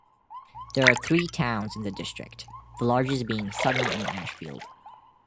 There are three towns in the district; the largest being Sutton-in-Ashfield.